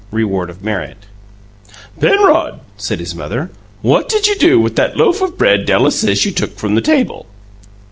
REWARD OF MERIT "Penrod," said his mother, "what did you do with that loaf of bread Della says you took from the table?"